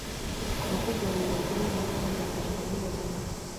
Abakobwa babiri bakora umuhanda bambaye amajipo abonerana